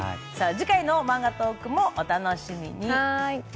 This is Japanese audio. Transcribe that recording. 次回のマンガトークもお楽しみに。